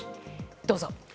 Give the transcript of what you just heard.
どうぞ。